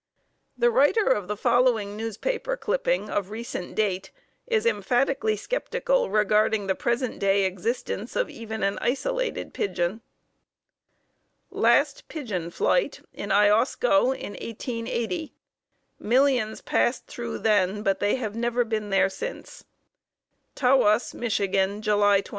The writer of the following newspaper clipping of recent date is emphatically skeptical regarding the present day existence of even an isolated pigeon: LAST PIGEON FLIGHT IN IOSCO IN 1880 MILLIONS PASSED THROUGH THEN, BUT THEY HAVE NEVER BEEN THERE SINCE Tawas, Mich., July 27.